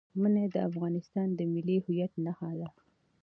منی د افغانستان د ملي هویت نښه ده.